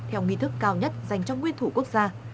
theo nghi thức cao nhất dành cho nguyên thủ quốc gia